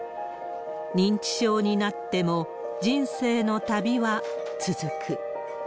認知症になっても、人生の旅は続く。